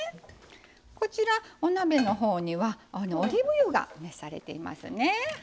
こちらお鍋のほうにはオリーブ油が熱されていますね。